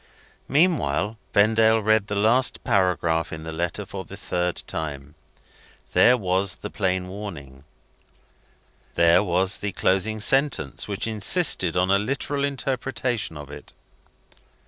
Meanwhile, Vendale read the last paragraph in the letter for the third time. There was the plain warning there was the closing sentence, which insisted on a literal interpretation of it.